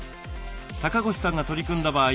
高越さんが取り組んだ場合